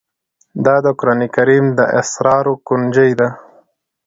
دا د قرآن کريم د اسرارو كونجي ده